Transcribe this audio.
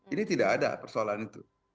ini tidak ada persoalan itu